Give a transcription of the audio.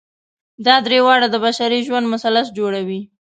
دا درې واړه د بشري ژوند مثلث جوړوي.